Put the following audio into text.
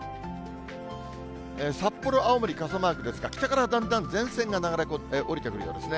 札幌、青森、傘マークですが、北からだんだん前線が流れ込む、下りてくるようですね。